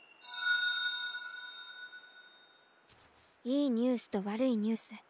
いいニュースとわるいニュース